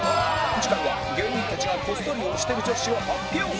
次回は芸人たちがこっそり推してる女子を発表